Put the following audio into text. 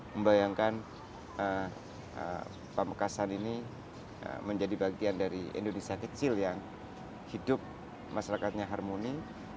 membayangkan pamekasan ini menjadi bagian dari indonesia kecil yang hidup masyarakatnya harmoni